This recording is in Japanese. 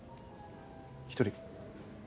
１人。